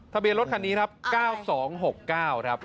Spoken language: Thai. ทะเบียนรถคันนี้ครับ๙๒๖๙ครับ